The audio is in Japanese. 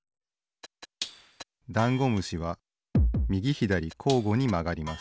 ダンゴムシはみぎひだりこうごにまがります。